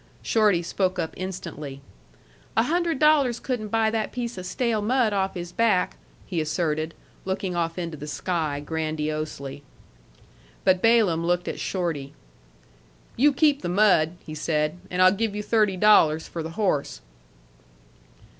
Shorty spoke up instantly. "A hundred dollars couldn't buy that piece of stale mud off his back," he asserted, looking off into the sky grandiosely. But Balaam looked at Shorty, "You keep the mud," he said, "and I'll give you thirty dollars for the horse."